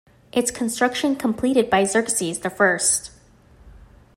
Its construction completed by Xerxes the First.